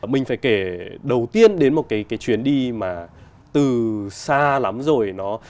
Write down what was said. mình phải kể đầu tiên đến một cái chuyến đi mà từ xa lắm rồi